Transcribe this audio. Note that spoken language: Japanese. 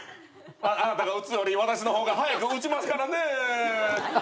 あなたが撃つより私の方が早く撃ちますからねえ。